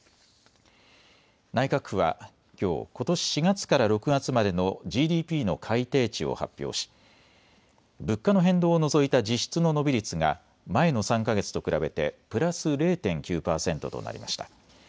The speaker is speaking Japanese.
内閣府はきょう、ことし４月から６月までのＧＤＰの改定値を発表し物価の変動を除いた実質の伸び率が前の３か月と比べてプラス０．９％となりました。